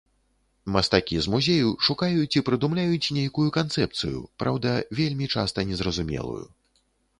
Мастакі з музею шукаюць і прыдумляюць нейкую канцэпцыю, праўда, вельмі часта незразумелую.